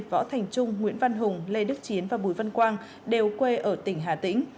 võ thành trung nguyễn văn hùng lê đức chiến và bùi văn quang đều quê ở tỉnh hà tĩnh